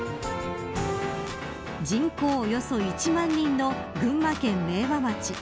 人口およそ１万人の群馬県、明和町。